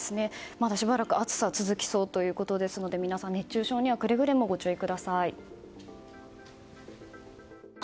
まだしばらく暑さは続きそうということですので皆さん、熱中症にはくれぐれもご注意ください。